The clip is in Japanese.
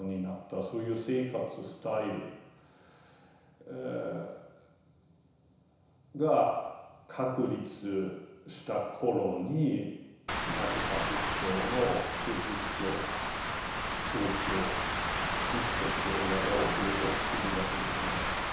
そういう生活スタイルが確立した頃になぜか仏教も起きて儒教道教キリスト教やや遅れて起きているわけですね。